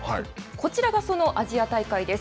こちらがアジア大会です。